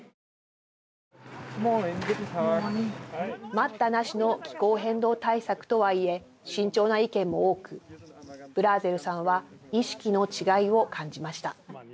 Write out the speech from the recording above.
待ったなしの気候変動対策とはいえ慎重な意見も多くブラーゼルさんは意識の違いを感じました。